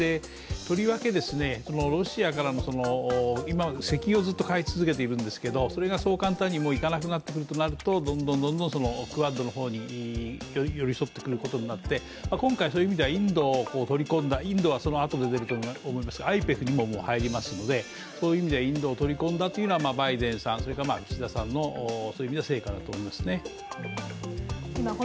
とりわけロシアからの石油をずっと買い続けているんですけれども、それがそう簡単にいかなくなってくるとなると、どんどんクアッドの方に寄り添っていくことになって今回そういう意味ではインドを取り込んだ、インドはＩＰＥＦにも入りますのでそういう意味ではインドを取り込んだというのはバイデンさん、そして岸田さんのそういう意味での成果だと思います。